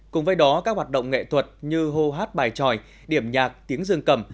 cùng với đó các hoạt động nghệ thuật như hô hát bài tròi điểm nhạc tiếng dương cầm